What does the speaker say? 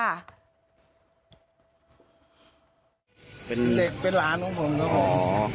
เด็กเป็นหลานของผมครับผม